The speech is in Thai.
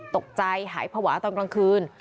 ตกใจหายภาวะตอนกลางคืน